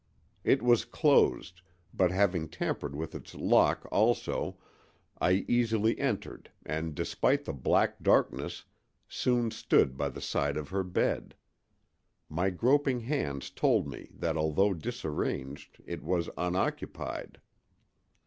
It was closed, but having tampered with its lock also, I easily entered and despite the black darkness soon stood by the side of her bed. My groping hands told me that although disarranged it was unoccupied.